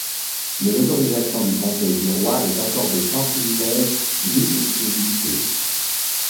Mais l'autorisation du Conseil du Roi est accordée sans privilège ni exclusivité.